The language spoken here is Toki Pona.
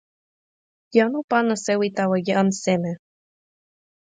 jan o pana sewi tawa jan seme?